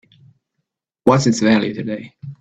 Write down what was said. What's its value today?